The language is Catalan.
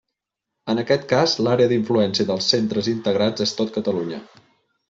En aquest cas, l'àrea d'influència dels centres integrats és tot Catalunya.